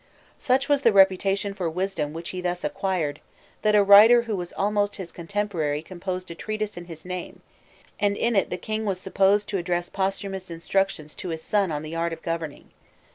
Such was the reputation for wisdom which he thus acquired, that a writer who was almost his contemporary composed a treatise in his name, and in it the king was supposed to address posthumous instructions to his son on the art of governing.